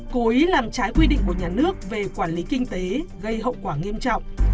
cố ý làm trái quy định của nhà nước về quản lý kinh tế gây hậu quả nghiêm trọng